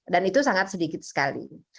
dan itu sangat sedikit sekali